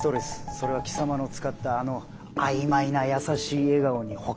それは貴様の使ったあの「曖昧な優しい笑顔」にほかならない。